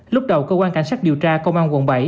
lúc đầu cơ quan cảnh sát điều tra công an quận bảy